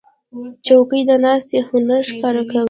چوکۍ د ناستې هنر ښکاره کوي.